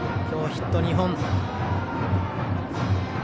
今日ヒット２本。